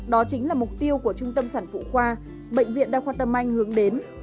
đó chính là mục tiêu của trung tâm sản phụ khoa bệnh viện đa khoa tâm anh hướng đến